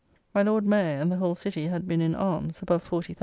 ] My Lord Mayor and the whole City had been in arms, above 40,000.